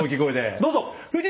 どうぞ！